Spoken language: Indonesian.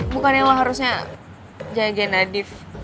bukannya lo harusnya jaga nadif